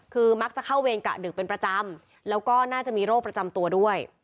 คือมักจะเข้าเวรกะดึกเป็นประจำแล้วก็น่าจะมีโรคประจำตัวด้วย